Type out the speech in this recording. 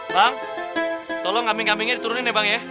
bang tolong kambing kambingnya diturunin ya bang ya